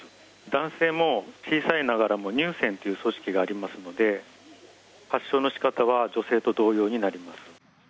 男性も小さいながらも乳腺という組織がありますので、発症のしかたは女性と同様になります。